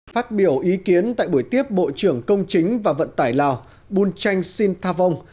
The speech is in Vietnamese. phát biểu ý kiến tại buổi tiếp bộ trưởng công chính và vận tải lào bun chanh sin tha vong